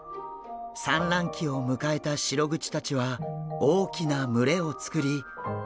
産卵期を迎えたシログチたちは大きな群れを作り泳いでいます。